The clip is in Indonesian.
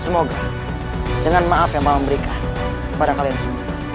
semoga dengan maaf yang paman berikan kepada kalian semua